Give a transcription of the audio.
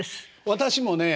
私もね